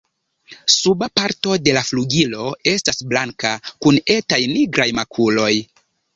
Suba parto de la flugilo estas blanka, kun etaj nigraj makuloj.